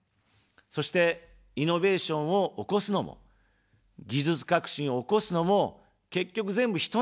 そして、イノベーションを起こすのも、技術革新を起こすのも、結局、全部、人なんです。